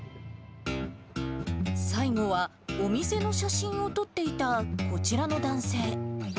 最後はお店の写真を撮っていたこちらの男性。